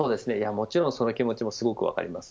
もちろんその気持ちもすごく分かります。